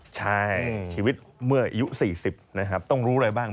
ใช่ชีวิตเมื่ออายุ๔๐นะครับต้องรู้อะไรบ้าง